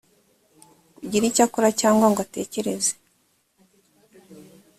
kugira icyo akora cyangwa ngo atekereze